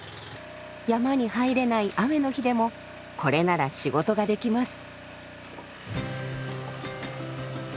山に入れない雨の日でもこれなら仕事ができます。